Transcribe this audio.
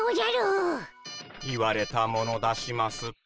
言われたもの出します。